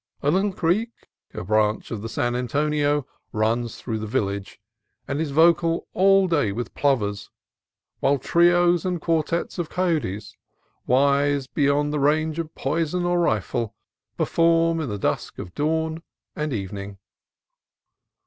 A little creek, a branch of the San Antonio, runs through the village, and is vocal all day with plovers ; while trios and quartettes of coyotes, wise beyond the range of poison or rifle, perform in the dusk of dawn and evening.